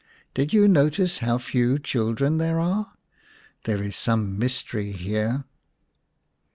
Did you notice how few children there are ? There is some mystery here."